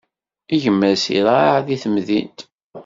Gma-s iraε deg temdint.